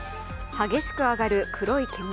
激しく上がる黒い煙。